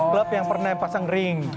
klub yang pernah pasang ring